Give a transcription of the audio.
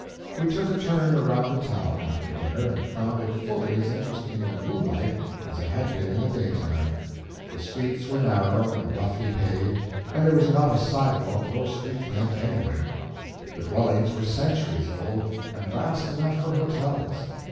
We took a turn around the town, after dinner, and found it fully as interesting in the moonlight as it had been in the daytime. The streets were narrow and roughly paved, and there was not a sidewalk or a street lamp anywhere. The dwellings were centuries old, and vast enough for hotels.